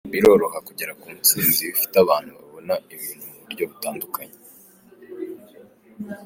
Biroroha kugera ku ntsinzi iyo ufite abantu babona ibintu mu buryo butandukanye.